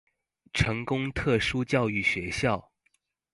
成功特殊教育學校